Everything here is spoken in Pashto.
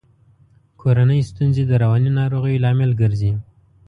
کورنۍ ستونزي د رواني ناروغیو لامل ګرزي.